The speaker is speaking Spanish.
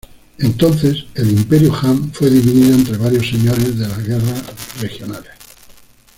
Entonces el imperio Han fue dividido entre varios señores de la guerra regionales.